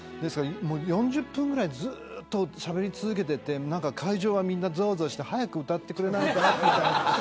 ４０分ぐらいずっとしゃべり続けてて会場が、ざわざわして早く歌ってくれないかなみたいな。